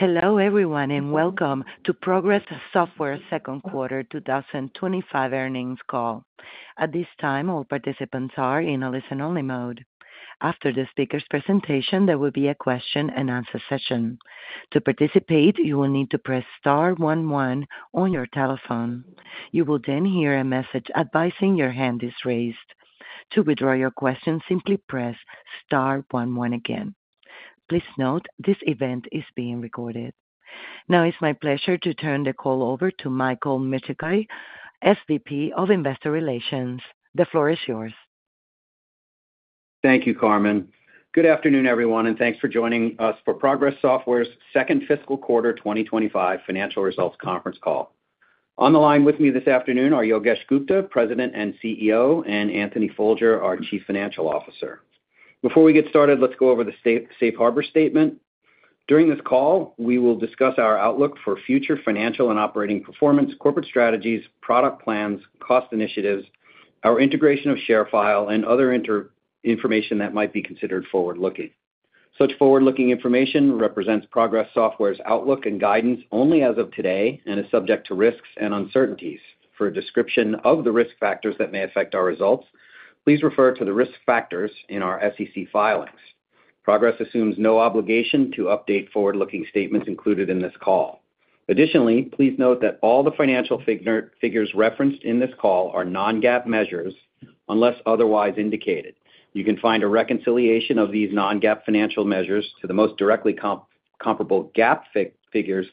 Hello, everyone, and welcome to Progress Software's second quarter 2025 earnings call. At this time, all participants are in a listen-only mode. After the speaker's presentation, there will be a question-and-answer session. To participate, you will need to press star one one on your telephone. You will then hear a message advising your hand is raised. To withdraw your question, simply press star one one again. Please note this event is being recorded. Now, it's my pleasure to turn the call over to Michael Micciche, SVP of Investor Relations. The floor is yours. Thank you, Carmen. Good afternoon, everyone, and thanks for joining us for Progress Software's second fiscal quarter 2025 financial results conference call. On the line with me this afternoon are Yogesh Gupta, President and CEO, and Anthony Folger, our Chief Financial Officer. Before we get started, let's go over the Safe Harbor Statement. During this call, we will discuss our outlook for future financial and operating performance, corporate strategies, product plans, cost initiatives, our integration of ShareFile, and other information that might be considered forward-looking. Such forward-looking information represents Progress Software's outlook and guidance only as of today and is subject to risks and uncertainties. For a description of the risk factors that may affect our results, please refer to the risk factors in our SEC filings. Progress assumes no obligation to update forward-looking statements included in this call. Additionally, please note that all the financial figures referenced in this call are non-GAAP measures unless otherwise indicated. You can find a reconciliation of these non-GAAP financial measures to the most directly comparable GAAP figures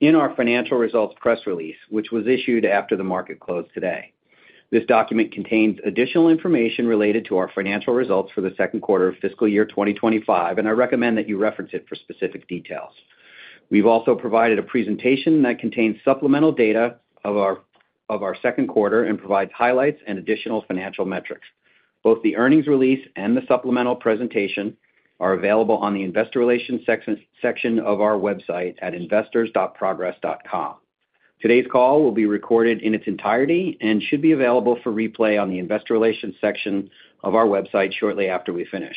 in our financial results press release, which was issued after the market closed today. This document contains additional information related to our financial results for the second quarter of fiscal year 2025, and I recommend that you reference it for specific details. We have also provided a presentation that contains supplemental data of our second quarter and provides highlights and additional financial metrics. Both the earnings release and the supplemental presentation are available on the Investor Relations section of our website at investors.progress.com. Today's call will be recorded in its entirety and should be available for replay on the Investor Relations section of our website shortly after we finish.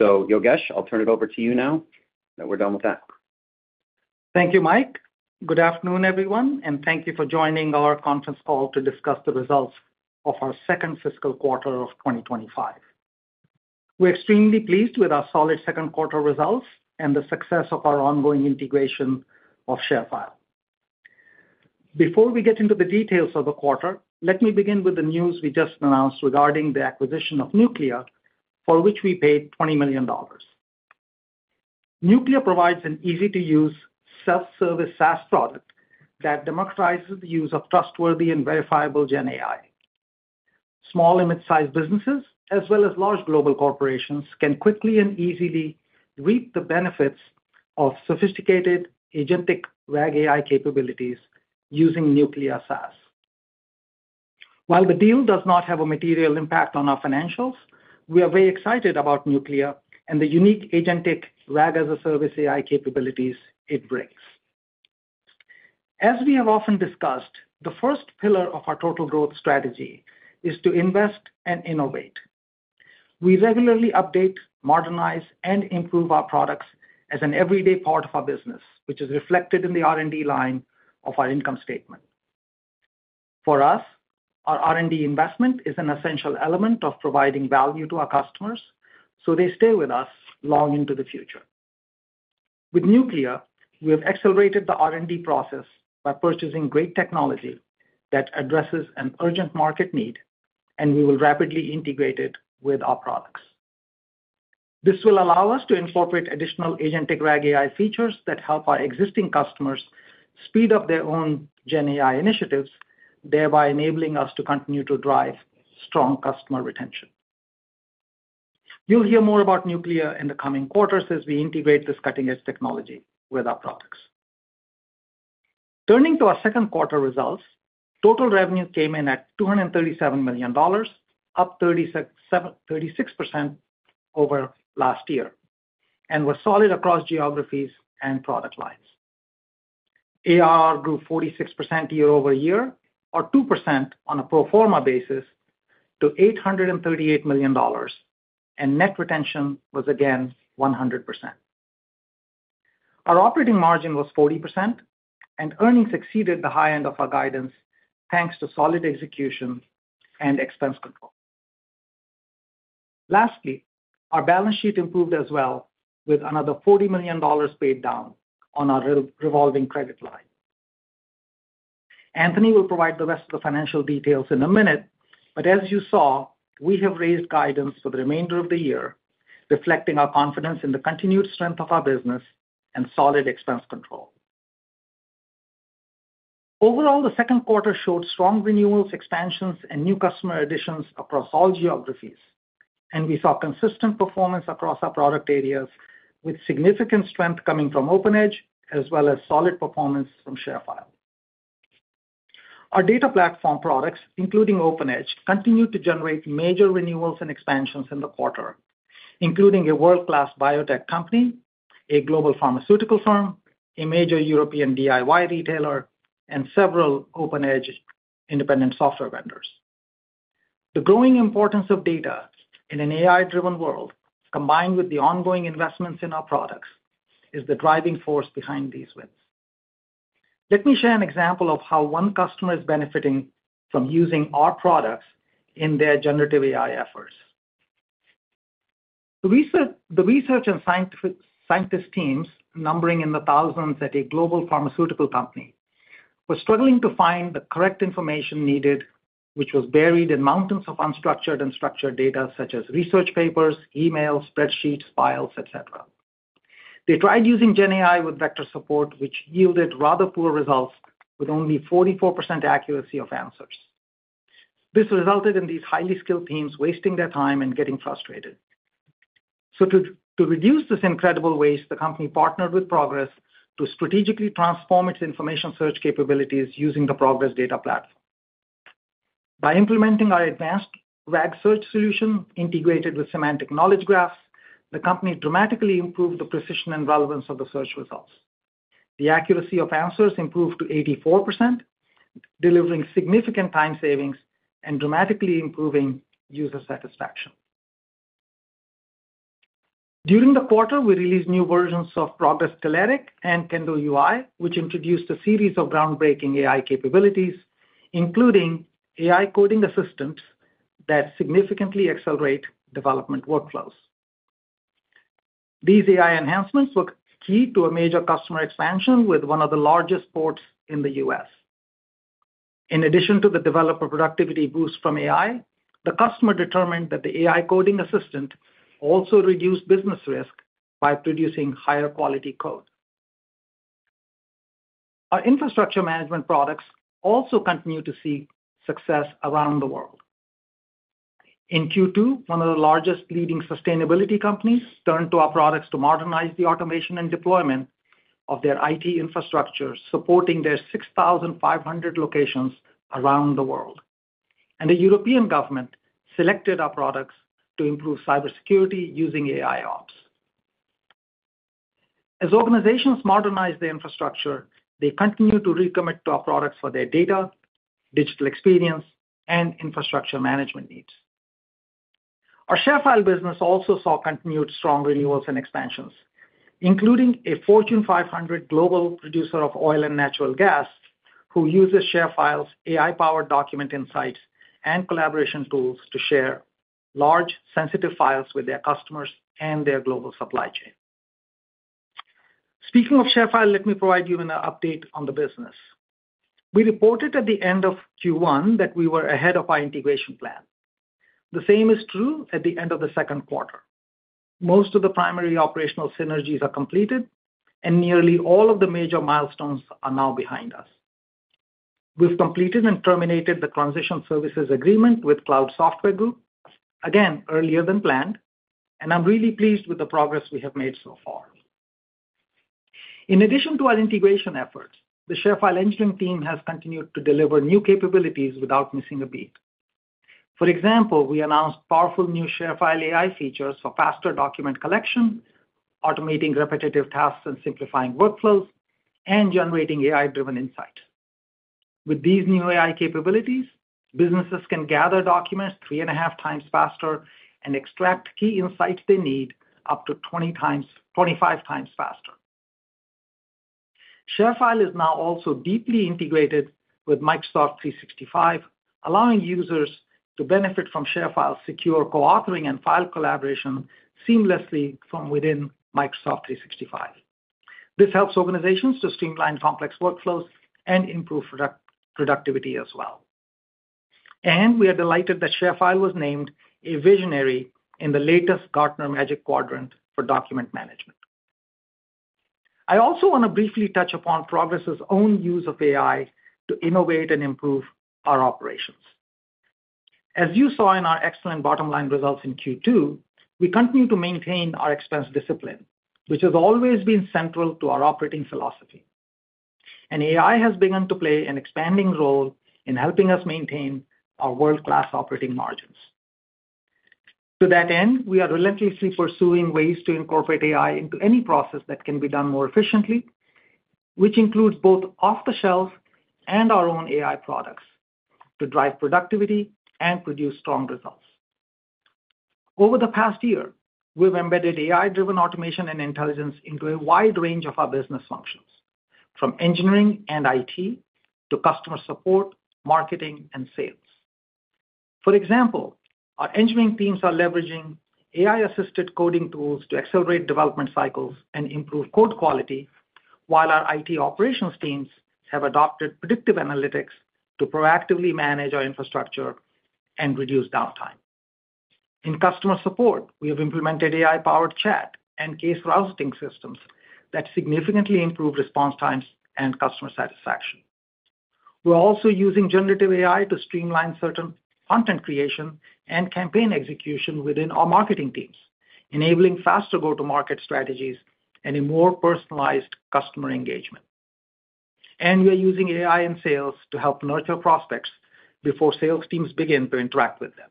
Yogesh, I'll turn it over to you now. We're done with that. Thank you, Mike. Good afternoon, everyone, and thank you for joining our conference call to discuss the results of our second fiscal quarter of 2025. We're extremely pleased with our solid second quarter results and the success of our ongoing integration of ShareFile. Before we get into the details of the quarter, let me begin with the news we just announced regarding the acquisition of Nuclia, for which we paid $20 million. Nuclia provides an easy-to-use, self-service SaaS product that democratizes the use of trustworthy and verifiable GenAI. Small and mid-sized businesses, as well as large global corporations, can quickly and easily reap the benefits of sophisticated agentic RAG AI capabilities using Nuclia SaaS. While the deal does not have a material impact on our financials, we are very excited about Nuclia and the unique agentic RAG-as-a-service AI capabilities it brings. As we have often discussed, the first pillar of our total growth strategy is to invest and innovate. We regularly update, modernize, and improve our products as an everyday part of our business, which is reflected in the R&D line of our income statement. For us, our R&D investment is an essential element of providing value to our customers so they stay with us long into the future. With Nuclia, we have accelerated the R&D process by purchasing great technology that addresses an urgent market need, and we will rapidly integrate it with our products. This will allow us to incorporate additional agentic RAG AI features that help our existing customers speed up their own GenAI initiatives, thereby enabling us to continue to drive strong customer retention. You'll hear more about Nuclia in the coming quarters as we integrate this cutting-edge technology with our products. Turning to our second quarter results, total revenue came in at $237 million, up 36% over last year, and was solid across geographies and product lines. ARR grew 46% year over year, or 2% on a pro forma basis, to $838 million, and net retention was again 100%. Our operating margin was 40%, and earnings exceeded the high end of our guidance thanks to solid execution and expense control. Lastly, our balance sheet improved as well, with another $40 million paid down on our revolving credit line. Anthony will provide the rest of the financial details in a minute, but as you saw, we have raised guidance for the remainder of the year, reflecting our confidence in the continued strength of our business and solid expense control. Overall, the second quarter showed strong renewals, expansions, and new customer additions across all geographies, and we saw consistent performance across our product areas, with significant strength coming from OpenEdge as well as solid performance from ShareFile. Our data platform products, including OpenEdge, continued to generate major renewals and expansions in the quarter, including a world-class biotech company, a global pharmaceutical firm, a major European DIY retailer, and several OpenEdge independent software vendors. The growing importance of data in an AI-driven world, combined with the ongoing investments in our products, is the driving force behind these wins. Let me share an example of how one customer is benefiting from using our products in their generative AI efforts. The research and scientist teams, numbering in the thousands at a global pharmaceutical company, were struggling to find the correct information needed, which was buried in mountains of unstructured and structured data such as research papers, emails, spreadsheets, files, etc. They tried using GenAI with vector support, which yielded rather poor results with only 44% accuracy of answers. This resulted in these highly skilled teams wasting their time and getting frustrated. To reduce this incredible waste, the company partnered with Progress to strategically transform its information search capabilities using the Progress Data Platform. By implementing our advanced RAG search solution integrated with semantic knowledge graphs, the company dramatically improved the precision and relevance of the search results. The accuracy of answers improved to 84%, delivering significant time savings and dramatically improving user satisfaction. During the quarter, we released new versions of Progress Telerik and Kendo UI, which introduced a series of groundbreaking AI capabilities, including AI coding assistants that significantly accelerate development workflows. These AI enhancements were key to a major customer expansion with one of the largest ports in the U.S. In addition to the developer productivity boost from AI, the customer determined that the AI coding assistant also reduced business risk by producing higher quality code. Our infrastructure management products also continue to see success around the world. In Q2, one of the largest leading sustainability companies turned to our products to modernize the automation and deployment of their IT infrastructure, supporting their 6,500 locations around the world. The European government selected our products to improve cybersecurity using AIOps. As organizations modernize their infrastructure, they continue to recommit to our products for their data, digital experience, and infrastructure management needs. Our ShareFile business also saw continued strong renewals and expansions, including a Fortune 500 global producer of oil and natural gas who uses ShareFile's AI-powered document insights and collaboration tools to share large, sensitive files with their customers and their global supply chain. Speaking of ShareFile, let me provide you with an update on the business. We reported at the end of Q1 that we were ahead of our integration plan. The same is true at the end of the second quarter. Most of the primary operational synergies are completed, and nearly all of the major milestones are now behind us. We've completed and terminated the transition services agreement with Cloud Software Group, again, earlier than planned, and I'm really pleased with the progress we have made so far. In addition to our integration efforts, the ShareFile engineering team has continued to deliver new capabilities without missing a beat. For example, we announced powerful new ShareFile AI features for faster document collection, automating repetitive tasks and simplifying workflows, and generating AI-driven insights. With these new AI capabilities, businesses can gather documents three and a half times faster and extract key insights they need up to 20 times, 25 times faster. ShareFile is now also deeply integrated with Microsoft 365, allowing users to benefit from ShareFile's secure co-authoring and file collaboration seamlessly from within Microsoft 365. This helps organizations to streamline complex workflows and improve productivity as well. We are delighted that ShareFile was named a visionary in the latest Gartner Magic Quadrant for document management. I also want to briefly touch upon Progress's own use of AI to innovate and improve our operations. As you saw in our excellent bottom line results in Q2, we continue to maintain our expense discipline, which has always been central to our operating philosophy. AI has begun to play an expanding role in helping us maintain our world-class operating margins. To that end, we are relentlessly pursuing ways to incorporate AI into any process that can be done more efficiently, which includes both off-the-shelf and our own AI products to drive productivity and produce strong results. Over the past year, we've embedded AI-driven automation and intelligence into a wide range of our business functions, from engineering and IT to customer support, marketing, and sales. For example, our engineering teams are leveraging AI-assisted coding tools to accelerate development cycles and improve code quality, while our IT operations teams have adopted predictive analytics to proactively manage our infrastructure and reduce downtime. In customer support, we have implemented AI-powered chat and case routing systems that significantly improve response times and customer satisfaction. We are also using generative AI to streamline certain content creation and campaign execution within our marketing teams, enabling faster go-to-market strategies and a more personalized customer engagement. We are using AI in sales to help nurture prospects before sales teams begin to interact with them.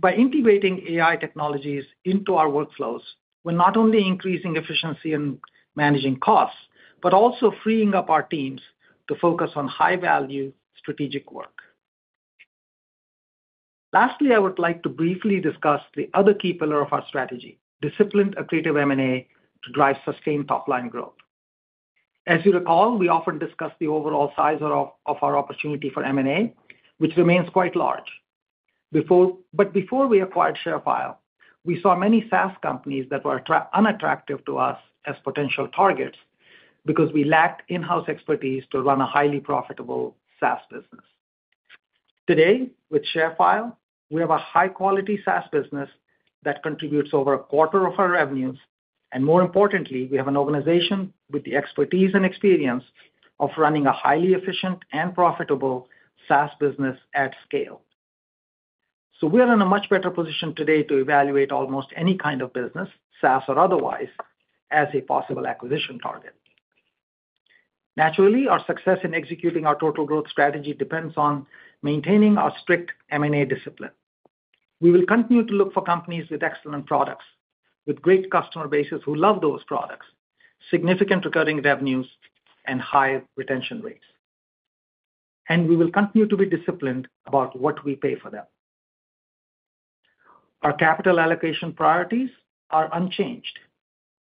By integrating AI technologies into our workflows, we are not only increasing efficiency and managing costs, but also freeing up our teams to focus on high-value strategic work. Lastly, I would like to briefly discuss the other key pillar of our strategy, disciplined accretive M&A to drive sustained top-line growth. As you recall, we often discuss the overall size of our opportunity for M&A, which remains quite large. Before we acquired ShareFile, we saw many SaaS companies that were unattractive to us as potential targets because we lacked in-house expertise to run a highly profitable SaaS business. Today, with ShareFile, we have a high-quality SaaS business that contributes over a quarter of our revenues, and more importantly, we have an organization with the expertise and experience of running a highly efficient and profitable SaaS business at scale. We are in a much better position today to evaluate almost any kind of business, SaaS or otherwise, as a possible acquisition target. Naturally, our success in executing our total growth strategy depends on maintaining our strict M&A discipline. We will continue to look for companies with excellent products, with great customer bases who love those products, significant recurring revenues, and high retention rates. We will continue to be disciplined about what we pay for them. Our capital allocation priorities are unchanged.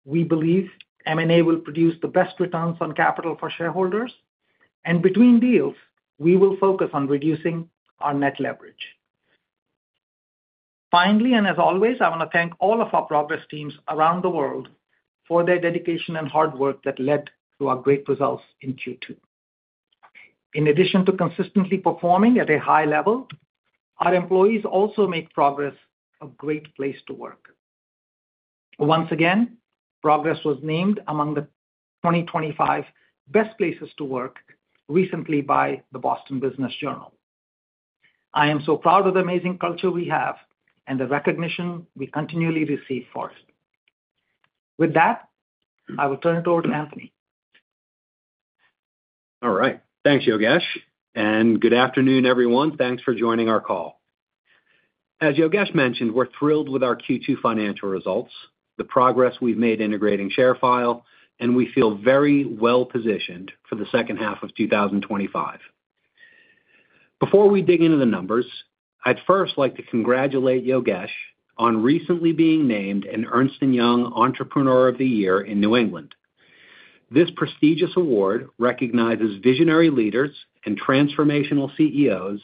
We believe M&A will produce the best returns on capital for shareholders, and between deals, we will focus on reducing our net leverage. Finally, and as always, I want to thank all of our Progress teams around the world for their dedication and hard work that led to our great results in Q2. In addition to consistently performing at a high level, our employees also make Progress a great place to work. Once again, Progress was named among the 2025 best places to work recently by the Boston Business Journal. I am so proud of the amazing culture we have and the recognition we continually receive for it. With that, I will turn it over to Anthony. All right. Thanks, Yogesh. And good afternoon, everyone. Thanks for joining our call. As Yogesh mentioned, we're thrilled with our Q2 financial results, the progress we've made integrating ShareFile, and we feel very well-positioned for the second half of 2025. Before we dig into the numbers, I'd first like to congratulate Yogesh on recently being named an Ernst & Young Entrepreneur of the Year in New England. This prestigious award recognizes visionary leaders and transformational CEOs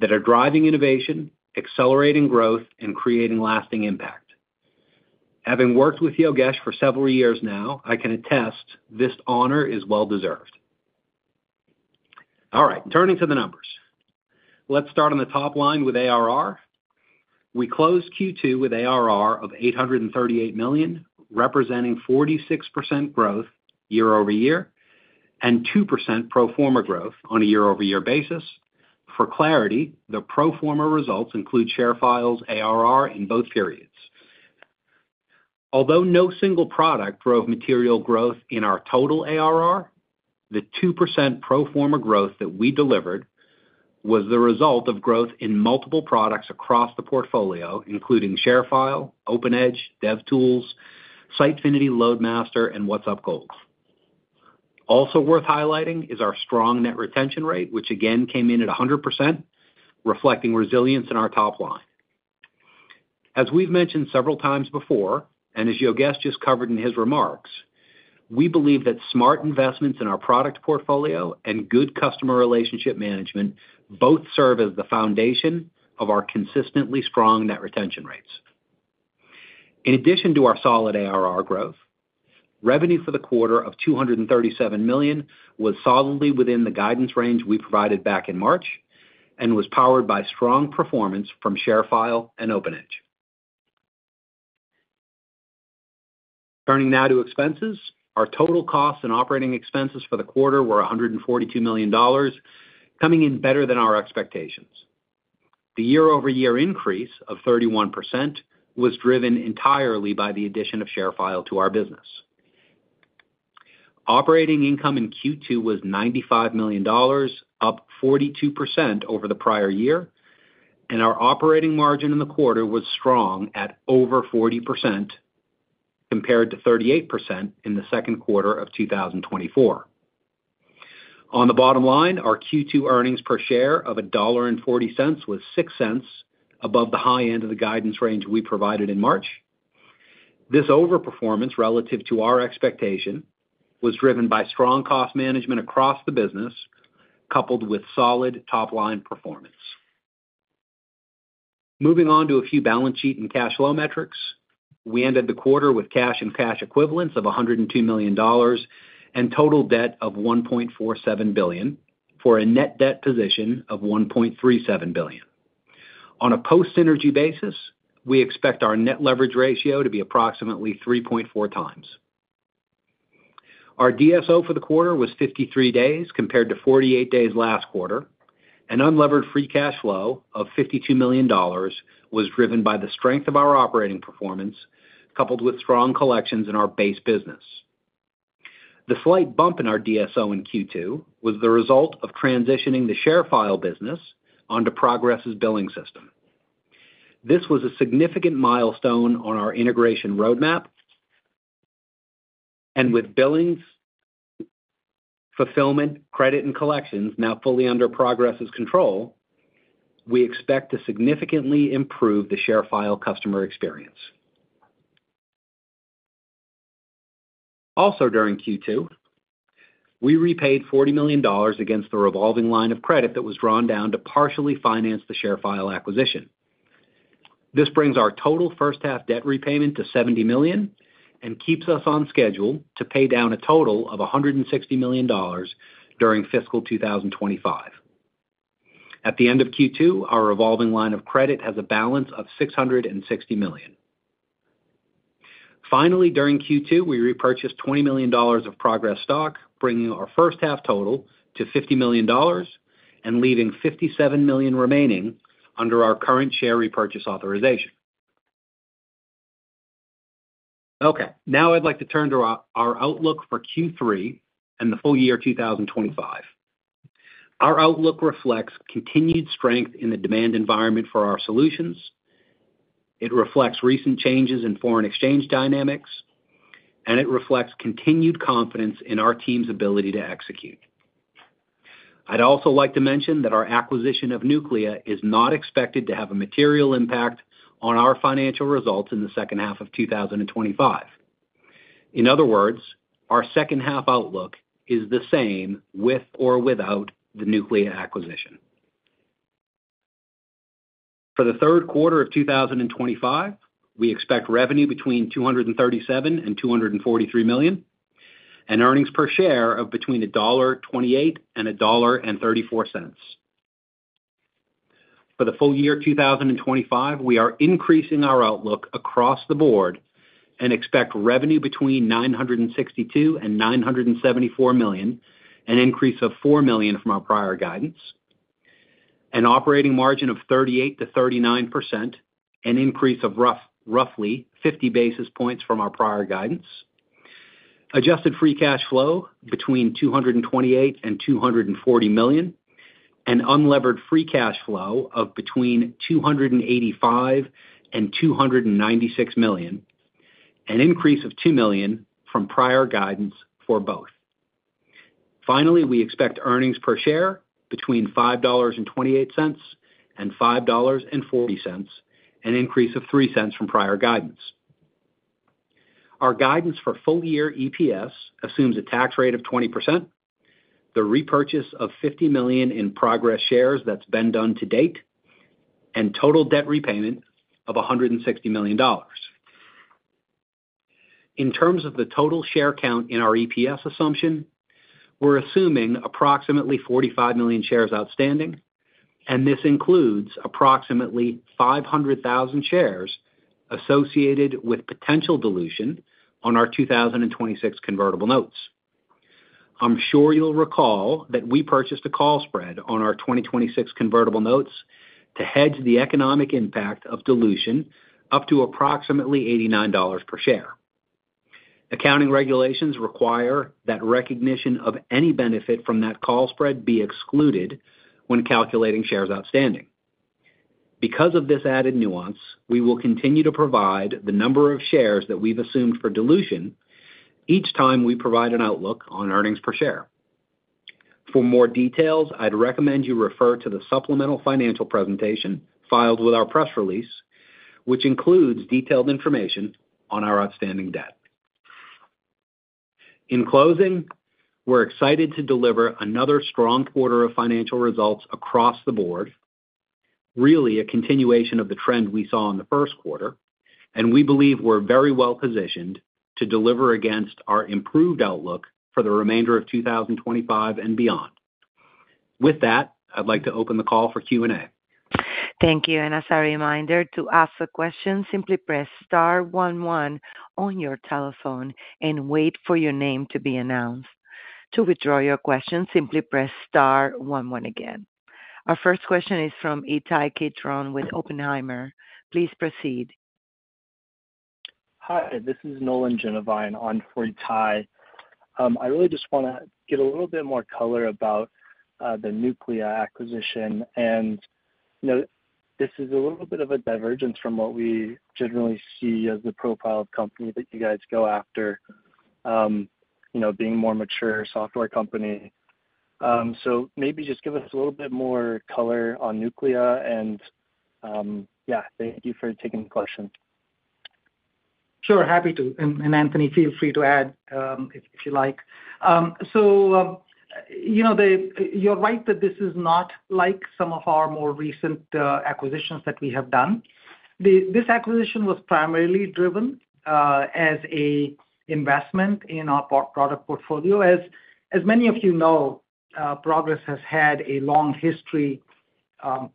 that are driving innovation, accelerating growth, and creating lasting impact. Having worked with Yogesh for several years now, I can attest this honor is well-deserved. All right, turning to the numbers. Let's start on the top line with ARR. We closed Q2 with ARR of $838 million, representing 46% growth year-over-year and 2% pro forma growth on a year-over-year basis. For clarity, the pro forma results include ShareFile's ARR in both periods. Although no single product drove material growth in our total ARR, the 2% pro forma growth that we delivered was the result of growth in multiple products across the portfolio, including ShareFile, OpenEdge, DevTools, Sitefinity, LoadMaster, and WhatsUp Gold. Also worth highlighting is our strong net retention rate, which again came in at 100%, reflecting resilience in our top line. As we've mentioned several times before, and as Yogesh just covered in his remarks, we believe that smart investments in our product portfolio and good customer relationship management both serve as the foundation of our consistently strong net retention rates. In addition to our solid ARR growth, revenue for the quarter of $237 million was solidly within the guidance range we provided back in March and was powered by strong performance from ShareFile and OpenEdge. Turning now to expenses, our total costs and operating expenses for the quarter were $142 million, coming in better than our expectations. The year-over-year increase of 31% was driven entirely by the addition of ShareFile to our business. Operating income in Q2 was $95 million, up 42% over the prior year, and our operating margin in the quarter was strong at over 40% compared to 38% in the second quarter of 2024. On the bottom line, our Q2 earnings per share of $1.40 was 6 cents above the high end of the guidance range we provided in March. This overperformance relative to our expectation was driven by strong cost management across the business, coupled with solid top-line performance. Moving on to a few balance sheet and cash flow metrics, we ended the quarter with cash and cash equivalents of $102 million and total debt of $1.47 billion for a net debt position of $1.37 billion. On a post-synergy basis, we expect our net leverage ratio to be approximately 3.4 times. Our DSO for the quarter was 53 days compared to 48 days last quarter, and unleveraged free cash flow of $52 million was driven by the strength of our operating performance coupled with strong collections in our base business. The slight bump in our DSO in Q2 was the result of transitioning the ShareFile business onto Progress's billing system. This was a significant milestone on our integration roadmap, and with billings, fulfillment, credit, and collections now fully under Progress's control, we expect to significantly improve the ShareFile customer experience. Also, during Q2, we repaid $40 million against the revolving line of credit that was drawn down to partially finance the ShareFile acquisition. This brings our total first-half debt repayment to $70 million and keeps us on schedule to pay down a total of $160 million during fiscal 2025. At the end of Q2, our revolving line of credit has a balance of $660 million. Finally, during Q2, we repurchased $20 million of Progress stock, bringing our first-half total to $50 million and leaving $57 million remaining under our current share repurchase authorization. Okay, now I'd like to turn to our outlook for Q3 and the full year 2025. Our outlook reflects continued strength in the demand environment for our solutions. It reflects recent changes in foreign exchange dynamics, and it reflects continued confidence in our team's ability to execute. I'd also like to mention that our acquisition of Nuclia is not expected to have a material impact on our financial results in the second half of 2025. In other words, our second-half outlook is the same with or without the Nuclia acquisition. For the third quarter of 2025, we expect revenue between $237 million and $243 million and earnings per share of between $1.28 and $1.34. For the full year 2025, we are increasing our outlook across the board and expect revenue between $962 million and $974 million, an increase of $4 million from our prior guidance, an operating margin of 38%-39%, an increase of roughly 50 basis points from our prior guidance, adjusted free cash flow between $228 million and $240 million, an unleveraged free cash flow of between $285 million and $296 million, an increase of $2 million from prior guidance for both. Finally, we expect earnings per share between $5.28 and $5.40, an increase of $0.03 from prior guidance. Our guidance for full-year EPS assumes a tax rate of 20%, the repurchase of $50 million in Progress shares that's been done to date, and total debt repayment of $160 million. In terms of the total share count in our EPS assumption, we're assuming approximately 45 million shares outstanding, and this includes approximately 500,000 shares associated with potential dilution on our 2026 convertible notes. I'm sure you'll recall that we purchased a call spread on our 2026 convertible notes to hedge the economic impact of dilution up to approximately $89 per share. Accounting regulations require that recognition of any benefit from that call spread be excluded when calculating shares outstanding. Because of this added nuance, we will continue to provide the number of shares that we've assumed for dilution each time we provide an outlook on earnings per share. For more details, I'd recommend you refer to the supplemental financial presentation filed with our press release, which includes detailed information on our outstanding debt. In closing, we're excited to deliver another strong quarter of financial results across the board, really a continuation of the trend we saw in the first quarter, and we believe we're very well-positioned to deliver against our improved outlook for the remainder of 2025 and beyond. With that, I'd like to open the call for Q&A. Thank you. As a reminder, to ask a question, simply press star one one on your telephone and wait for your name to be announced. To withdraw your question, simply press star one one again. Our first question is from Ittai Kidron with Oppenheimer. Please proceed. Hi, this is Nolan Jenevein on for Ittai. I really just want to get a little bit more color about the Nuclia acquisition. This is a little bit of a divergence from what we generally see as the profile of company that you guys go after, being a more mature software company. Maybe just give us a little bit more color on Nuclia. Thank you for taking the question. Sure, happy to. Anthony, feel free to add if you like. You are right that this is not like some of our more recent acquisitions that we have done. This acquisition was primarily driven as an investment in our product portfolio. As many of you know, Progress has had a long history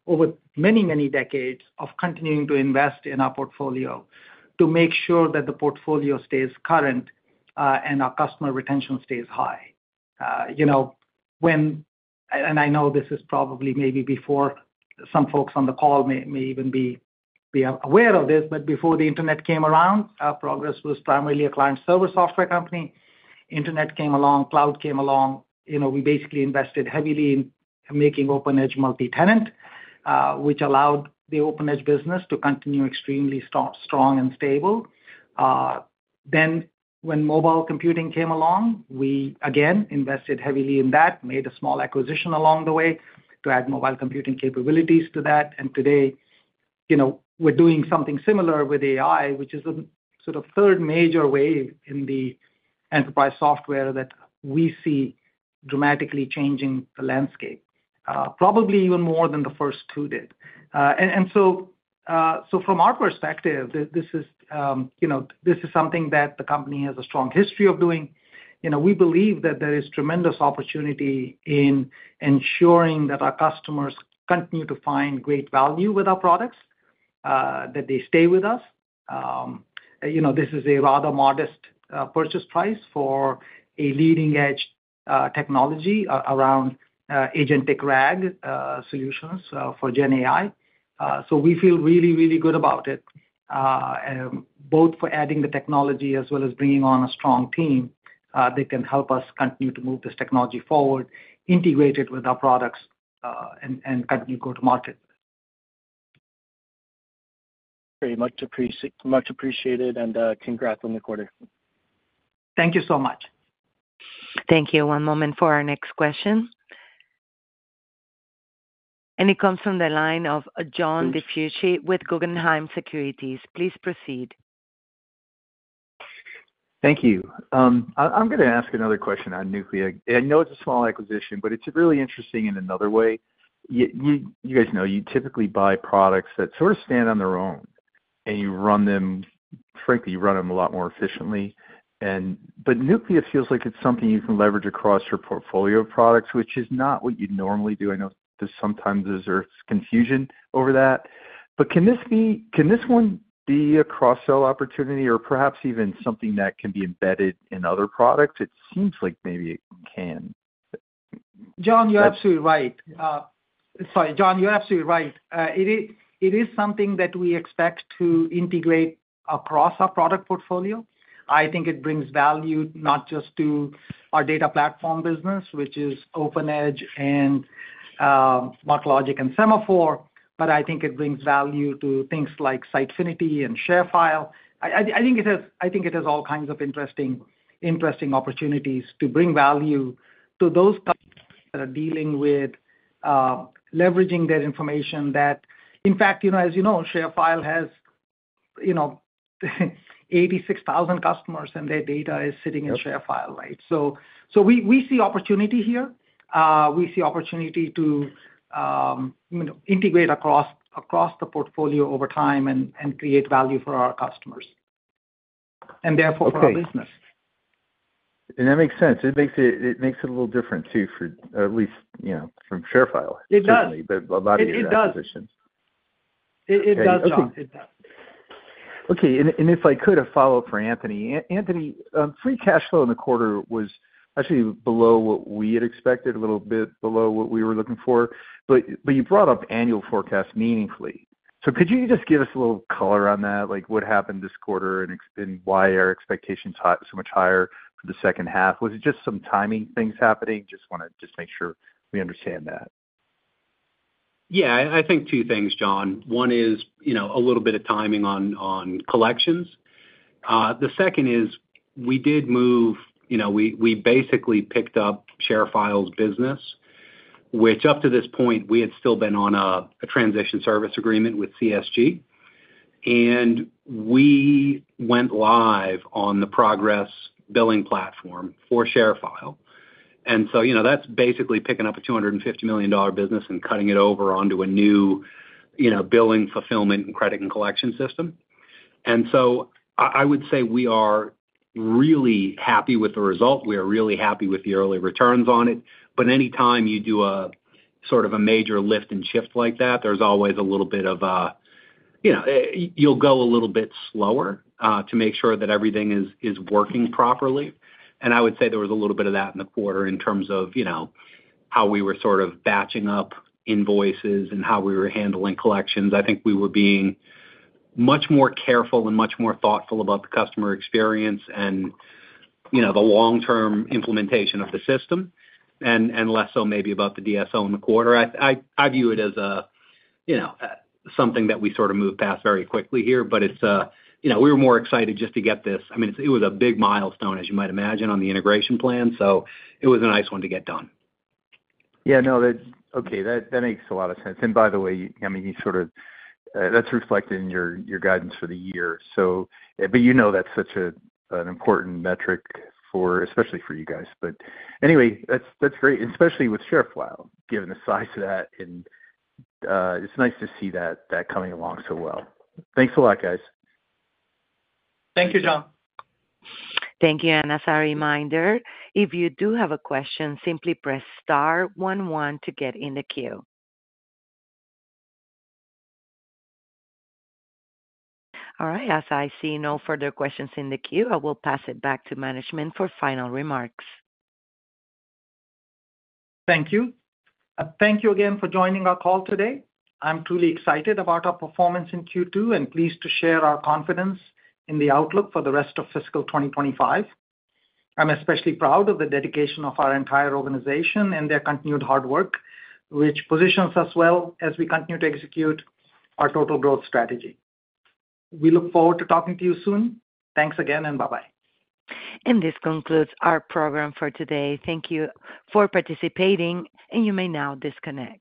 over many, many decades of continuing to invest in our portfolio to make sure that the portfolio stays current and our customer retention stays high. I know this is probably maybe before some folks on the call may even be aware of this, but before the internet came around, Progress was primarily a client-server software company. Internet came along, cloud came along. We basically invested heavily in making OpenEdge multi-tenant, which allowed the OpenEdge business to continue extremely strong and stable. When mobile computing came along, we again invested heavily in that, made a small acquisition along the way to add mobile computing capabilities to that. Today, we're doing something similar with AI, which is a sort of third major wave in the enterprise software that we see dramatically changing the landscape, probably even more than the first two did. From our perspective, this is something that the company has a strong history of doing. We believe that there is tremendous opportunity in ensuring that our customers continue to find great value with our products, that they stay with us. This is a rather modest purchase price for a leading-edge technology around agentic RAG solutions for GenAI. We feel really, really good about it, both for adding the technology as well as bringing on a strong team that can help us continue to move this technology forward, integrate it with our products, and continue to go to market. Very much appreciated and congrats on the quarter. Thank you so much. Thank you. One moment for our next question. It comes from the line of John DiFucci with Guggenheim Securities. Please proceed. Thank you. I'm going to ask another question on Nuclia. I know it's a small acquisition, but it's really interesting in another way. You guys know you typically buy products that sort of stand on their own, and frankly, you run them a lot more efficiently. Nuclia feels like it's something you can leverage across your portfolio of products, which is not what you'd normally do. I know sometimes there's confusion over that. Can this one be a cross-sell opportunity or perhaps even something that can be embedded in other products? It seems like maybe it can. John, you're absolutely right. Sorry, John, you're absolutely right. It is something that we expect to integrate across our product portfolio. I think it brings value not just to our data platform business, which is OpenEdge and MarkLogic and Semaphore, but I think it brings value to things like Sitefinity and ShareFile. I think it has all kinds of interesting opportunities to bring value to those that are dealing with leveraging that information that, in fact, as you know, ShareFile has 86,000 customers, and their data is sitting in ShareFile, right? We see opportunity here. We see opportunity to integrate across the portfolio over time and create value for our customers and therefore for our business. That makes sense. It makes it a little different too, at least from ShareFile, certainly, but a lot of these other positions. It does, John. It does. Okay. If I could, a follow-up for Anthony. Anthony, free cash flow in the quarter was actually below what we had expected, a little bit below what we were looking for. You brought up annual forecasts meaningfully. Could you just give us a little color on that, like what happened this quarter and why are expectations so much higher for the second half? Was it just some timing things happening? Just want to make sure we understand that. Yeah, I think two things, John. One is a little bit of timing on collections. The second is we did move, we basically picked up ShareFile's business, which up to this point, we had still been on a transition service agreement with CSG. We went live on the Progress billing platform for ShareFile. That is basically picking up a $250 million business and cutting it over onto a new billing, fulfillment, and credit and collection system. I would say we are really happy with the result. We are really happy with the early returns on it. Anytime you do a sort of a major lift and shift like that, there is always a little bit of a—you will go a little bit slower to make sure that everything is working properly. I would say there was a little bit of that in the quarter in terms of how we were sort of batching up invoices and how we were handling collections. I think we were being much more careful and much more thoughtful about the customer experience and the long-term implementation of the system, and less so maybe about the DSO in the quarter. I view it as something that we sort of moved past very quickly here, but we were more excited just to get this. I mean, it was a big milestone, as you might imagine, on the integration plan. It was a nice one to get done. Yeah, no, okay. That makes a lot of sense. By the way, I mean, you sort of—that is reflected in your guidance for the year. You know that is such an important metric, especially for you guys. Anyway, that is great, especially with ShareFile, given the size of that. It is nice to see that coming along so well. Thanks a lot, guys. Thank you, John. Thank you. As a reminder, if you do have a question, simply press star one one to get in the queue. All right. As I see no further questions in the queue, I will pass it back to management for final remarks. Thank you. Thank you again for joining our call today. I'm truly excited about our performance in Q2 and pleased to share our confidence in the outlook for the rest of fiscal 2025. I'm especially proud of the dedication of our entire organization and their continued hard work, which positions us well as we continue to execute our total growth strategy. We look forward to talking to you soon. Thanks again, and bye-bye. This concludes our program for today. Thank you for participating, and you may now disconnect.